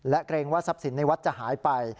เกรงว่าทรัพย์สินในวัดจะหายไป